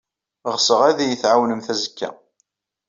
Ɣseɣ ad iyi-tɛawnemt azekka.